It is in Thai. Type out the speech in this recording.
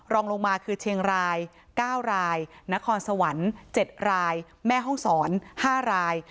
รองลงมาคือเชียงราย๙รายนครสวรรค์๗รายแม่ห้องศร๕ราย